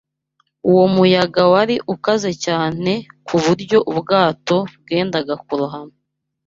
Uwo muyaga wari ukaze cyane ku buryo ubwato bwendaga kurohama